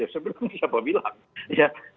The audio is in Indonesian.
sebelumnya siapa bilang